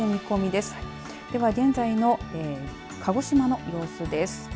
では現在の鹿児島の様子です。